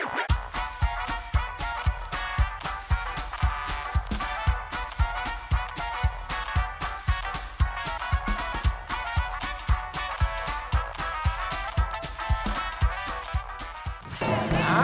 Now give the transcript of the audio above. เพื่อ